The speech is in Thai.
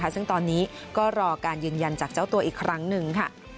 ซึ่งตอนนี้ก็รอการยืนยันจากเจ้าตัวอีกครั้งหนึ่งค่ะ